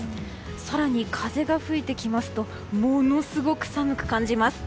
更に風が吹いてきますとものすごく寒く感じます。